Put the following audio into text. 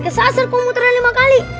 kesasar kok muteran lima kali